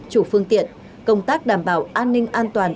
chủ phương tiện công tác đảm bảo an ninh an toàn